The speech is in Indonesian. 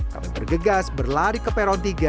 kami bergegas berlari ke peron tiga